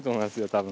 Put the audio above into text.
多分。